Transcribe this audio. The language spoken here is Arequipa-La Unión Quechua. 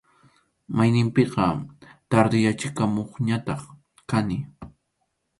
Mayninpiqa tardeyachikamuqñataq kani.